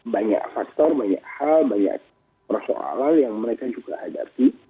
banyak faktor banyak hal banyak persoalan yang mereka juga hadapi